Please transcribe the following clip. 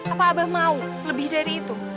apa abah mau lebih dari itu